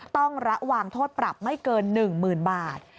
ต้องระวังโทษปรับไม่เกิน๑๐๐๐บาท